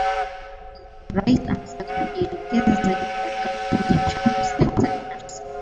Rais anataka kujielekeza zaidi katika kukuza mchango wa sekta binafsi